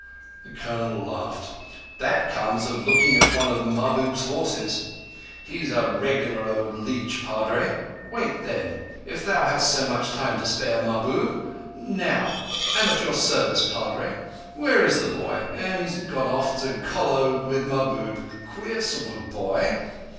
The Colonel laughed. "That comes of looking at one of Mahbub's horses. He's a regular old leech, Padre. Wait, then, if thou hast so much time to spare, Mahbub. Now I'm at your service, Padre. Where is the boy? Oh, he's gone off to collogue with Mahbub. Queer sort of boy.